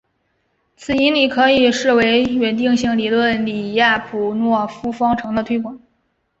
此引理可以视为是稳定性理论李亚普诺夫方程的推广。